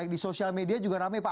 di sosial media juga rame pak